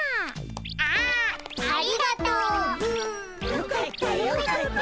よかったよかった。